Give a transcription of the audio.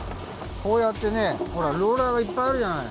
こうやってねほらローラーがいっぱいあるじゃない。